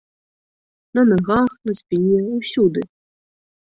На нагах, на спіне, усюды.